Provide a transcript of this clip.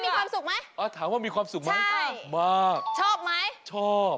มีความสุขไหมอ่าถามว่ามีความสุขไหมชอบมากชอบไหมชอบ